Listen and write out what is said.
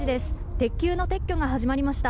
鉄球の撤去が始まりました。